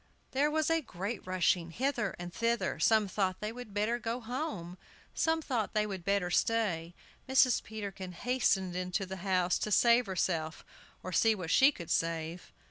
There was great rushing hither and thither. Some thought they would better go home; some thought they would better stay. Mrs. Peterkin hastened into the house to save herself, or see what she could save.